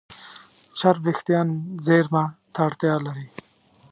چرب وېښتيان زېرمه ته اړتیا لري.